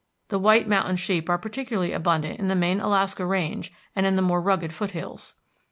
The white mountain sheep are particularly abundant in the main Alaska Range, and in the more rugged foothills.